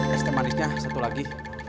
es teh manisnya satu lagi